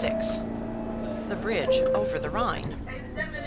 The Bridge over the Rhine.